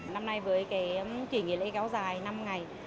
năm nay với kỳ nghỉ lễ kéo dài năm ngày